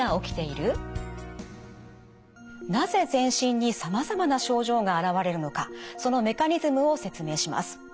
なぜ全身にさまざまな症状が現れるのかそのメカニズムを説明します。